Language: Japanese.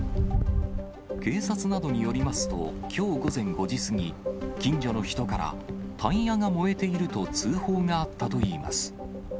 警察などによりますと、きょう午前５時過ぎ、近所の人から、タイヤが燃えていると通報があったといいます。